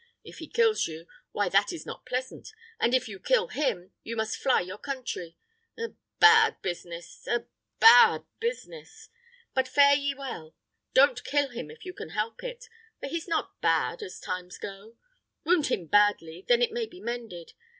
If he kills you, why that is not pleasant; and if you kill him, you must fly your country. A bad business! a bad business! But fare ye well! Don't kill him if you can help it; for he's not bad, as times go; wound him badly, then it may be mended.